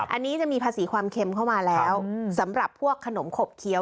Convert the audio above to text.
อันนี้จะมีภาษีความเค็มเข้ามาแล้วสำหรับพวกขนมขบเคี้ยว